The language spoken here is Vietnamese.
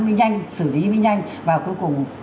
mới nhanh xử lý mới nhanh và cuối cùng